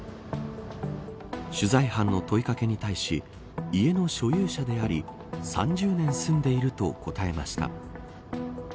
取材班の問いかけに対し家の所有者であり３０年住んでいると答えました。